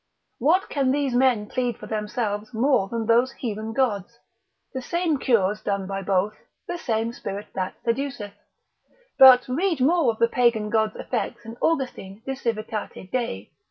What can these men plead for themselves more than those heathen gods, the same cures done by both, the same spirit that seduceth; but read more of the Pagan god's effects in Austin de Civitate Dei, l.